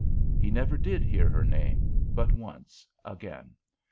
He never did hear her name but once again.